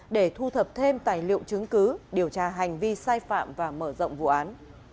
để thu thập thêm tài liệu chứng cứ điều tra hành vi sai phạm và mở rộng vụ án